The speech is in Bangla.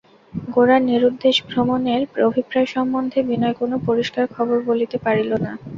গোরার নিরুদ্দেশ-ভ্রমণের অভিপ্রায় সম্বন্ধে বিনয় কোনো পরিষ্কার খবর বলিতে পারিল না।